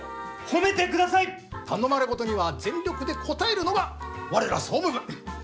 頼まれ事には全力で応えるのが我ら総務部。